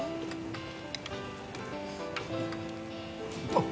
あっ！